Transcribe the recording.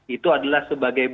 itu adalah sebagai bahwa